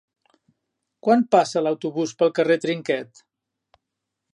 Quan passa l'autobús pel carrer Trinquet?